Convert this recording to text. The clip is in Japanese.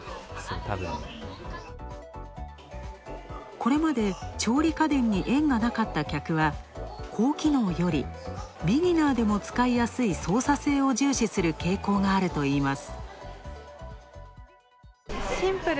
これまで調理家電に縁がなかった客は高機能より、ビギナーでも使いやすい操作性を重視する傾向があるといいます。